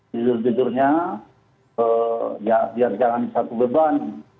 jujur jujurnya ya biar jangan satu beban